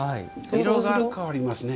色が変わりますね。